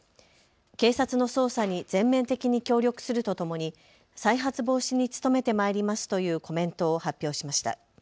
警察の捜査に全面的に協力するとともに再発防止に努めてまいりますというコメントを発表しました。